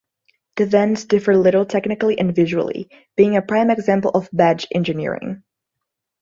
The vans differ little technically and visually, being a prime example of badge engineering.